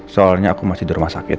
soalnya aku masih di rumah sakit